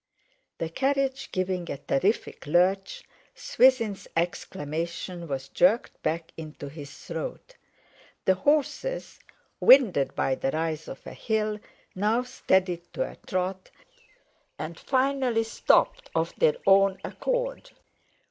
_ The carriage giving a terrific lurch, Swithin's exclamation was jerked back into his throat. The horses, winded by the rise of a hill, now steadied to a trot, and finally stopped of their own accord.